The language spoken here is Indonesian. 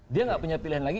dia nggak punya pilihan lagi